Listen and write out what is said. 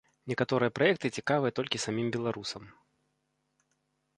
Некаторыя праекты цікавыя толькі самім беларусам.